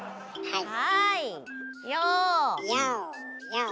はい。